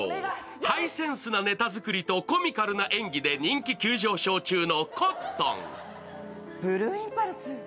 ハイセンスなネタ作りとコミカルな演技で人気急上昇中のコットン。